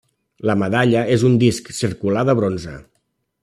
La medalla és un disc circular de bronze.